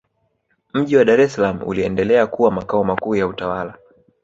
mji wa dar es salaam uliendelea kuwa makao makuu ya utawala